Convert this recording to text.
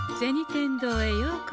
天堂へようこそ。